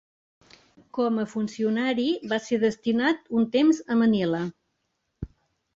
Com a funcionari va ser destinat un temps a Manila.